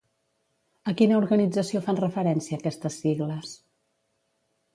A quina organització fan referència aquestes sigles?